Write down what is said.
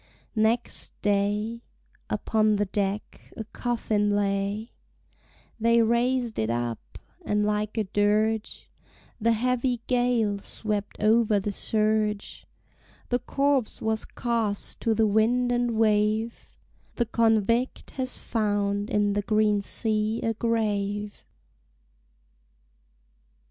... Next day Upon the deck a coffin lay; They raised it up, and like a dirge The heavy gale swept over the surge; The corpse was cast to the wind and wave, The convict has found in the green sea a grave.